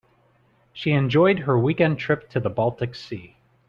She enjoyed her weekend trip to the baltic sea.